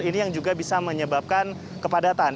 ini yang juga bisa menyebabkan kepadatan